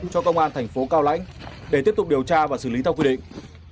cho công an tp cao lãnh để tiếp tục điều tra và xử lý theo quy định